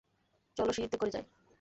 চলো, সিঁড়িতে করে যাই।